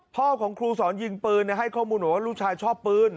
พ่อของครูสอนยิงปืนให้ข้อมูลบอกว่าลูกชายชอบปืน